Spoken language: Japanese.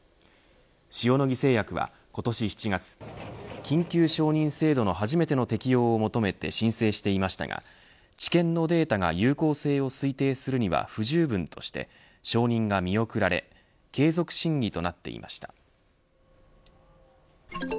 塩野義製薬は今年７月緊急承認制度の初めての適用を求めて申請していましたが治験のデータが有効性を推定するには不十分として、承認が見送られ継続審議となっていました。